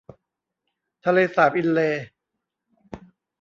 ทะเลสาบอินเลย์